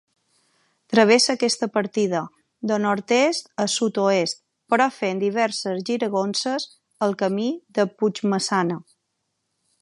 Travessa aquesta partida, de nord-est a sud-oest, però fent diverses giragonses, el Camí de Puigmaçana.